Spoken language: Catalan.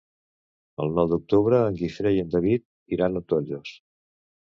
El nou d'octubre en Guifré i en David iran a Tollos.